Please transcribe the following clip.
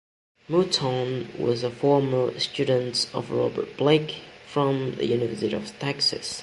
Mouton was a former student of Robert Blake from the University of Texas.